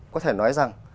có thể nói rằng